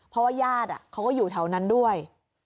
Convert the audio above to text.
เพราะว่าญาติเขาก็อยู่แถวนั้นด้วย